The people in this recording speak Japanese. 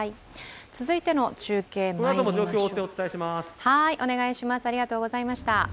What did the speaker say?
続いての中継まいりましょう。